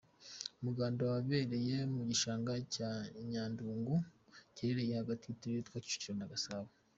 Umuganda wabereye mu gishanga cya Nyandungu giherereye hagati y’uturere twa Kicukiro na Gasabo.